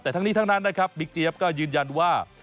แต่ทั้งนี้ทั้งนั้นนะครับบิ๊กเจี๊ยบก็ยืนยันว่า